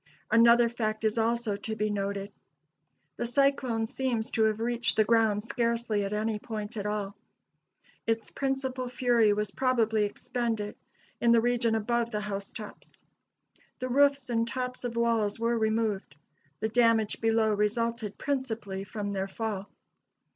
Another fact is also to be noted. The cyclone seems to have reached the ground scarcely at any point at all. Its principal fury was probably expended in the region above the housetops. The roofs and tops of walls were removed; the damage below resulted principally from their fall.